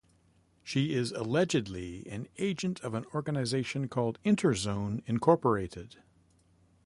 She is allegedly an agent of an organization called Interzone Incorporated.